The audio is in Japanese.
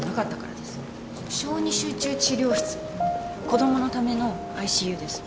子供のためのＩＣＵです。